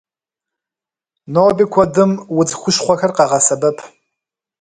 Ноби куэдым удз хущхъуэхэр къагъэсэбэп.